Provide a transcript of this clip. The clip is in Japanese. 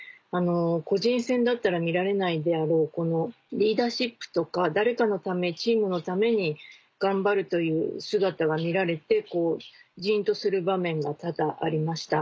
個人戦だったら見られないであろうリーダーシップとか誰かのためチームのために頑張るという姿が見られてじんとする場面が多々ありました。